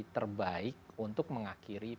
terbaik untuk mengakhiri